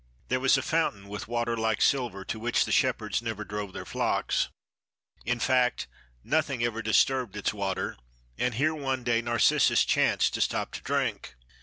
"There was a fountain, with water like silver, to which the shepherds never drove their flocks. In fact, nothing ever disturbed its water, and here one day Narcissus chanced to stop to drink.